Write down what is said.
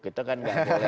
kita kan gak boleh